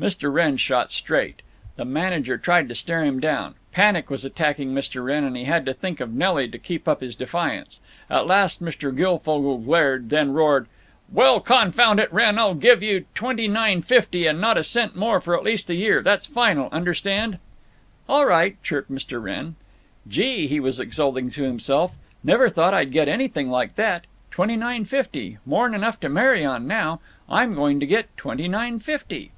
Mr. Wrenn stood straight. The manager tried to stare him down. Panic was attacking Mr. Wrenn, and he had to think of Nelly to keep up his defiance. At last Mr. Guilfogle glared, then roared: "Well, confound it, Wrenn, I'll give you twenty nine fifty, and not a cent more for at least a year. That's final. Understand?" "All right," chirped Mr. Wrenn. "Gee!" he was exulting to himself, "never thought I'd get anything like that. Twenty nine fifty! More 'n enough to marry on now! I'm going to get _twenty nine fifty!